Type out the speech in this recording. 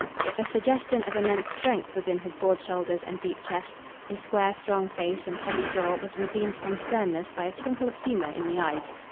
A suggestion of immense strength was in his broad shoulders and deep chest. His square, strong face and heavy jaw was redeemed from sternness by a twinkle of humour in the eyes.